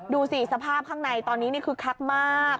ดูสิสภาพข้างในตอนนี้คึกคักมาก